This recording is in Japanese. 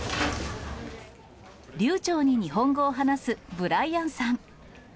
流ちょうに日本語を話すブライアンさん。